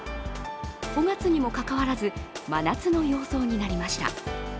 ５月にもかかわらず、真夏の様相になりました。